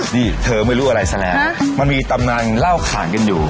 นี่เธอไม่รู้อะไรซะแล้วมันมีตำนานเล่าขานกันอยู่